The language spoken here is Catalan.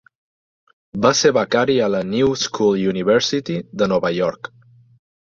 Va ser becari a la New School University de Nova York.